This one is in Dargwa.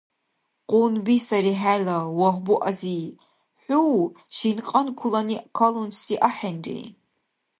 Къунби сари хӀела, Вагьбу-ази! ХӀу шинкьанкулани калунси ахӀенри!